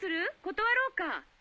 断ろうか？